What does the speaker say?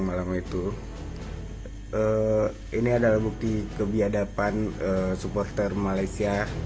malam itu ini adalah bukti kebiadaban suportan malaysia